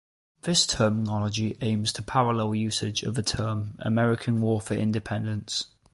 This terminology aims to parallel usage of the term "American War for Independence".